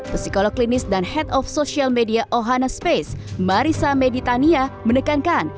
psikolog klinis dan head of social media ohana space marissa meditania menekankan